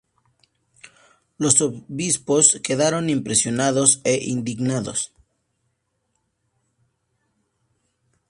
Los Obispos quedaron impresionados e indignados.